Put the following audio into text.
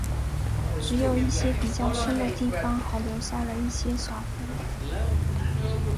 只有一些比较深的地方还留下了一些小湖。